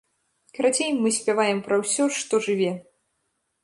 Карацей, мы спяваем пра ўсё, што жыве.